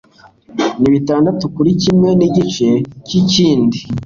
Nibitandatu kuri kimwe nigice cyikindi